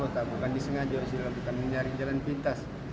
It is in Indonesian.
kota bukan disengaja usila bukan mencari jalan pintas